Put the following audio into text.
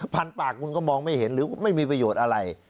ปากคุณก็มองไม่เห็นหรือไม่มีประโยชน์อะไร